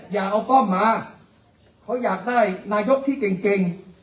อย่าเอาป้อมมาเขาอยากได้นายกที่เก่ง